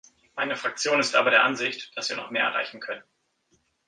Meine Fraktion ist aber der Ansicht, dass wir noch mehr erreichen können.